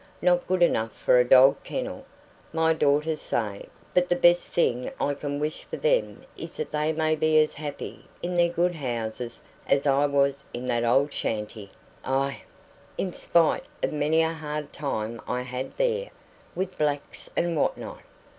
Not good enough for a dog kennel, my daughters say; but the best thing I can wish for them is that they may be as happy in their good houses as I was in that old shanty aye, in spite of many a hard time I had there, with blacks and what not.